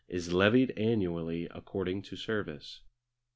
is levied annually according to service.